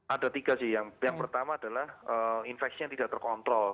ada tiga sih yang pertama adalah infeksi yang tidak terkontrol